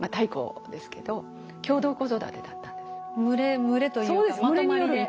群れというかまとまりで。